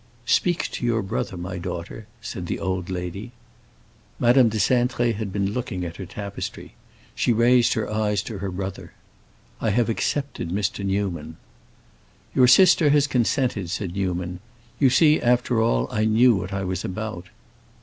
"Speak to your brother, my daughter," said the old lady. Madame de Cintré had been looking at her tapestry. She raised her eyes to her brother. "I have accepted Mr. Newman." "Your sister has consented," said Newman. "You see after all, I knew what I was about."